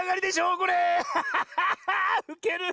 うける！